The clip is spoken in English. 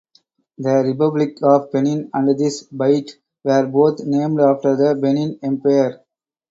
The Republic of Benin and this bight were both named after the Benin Empire.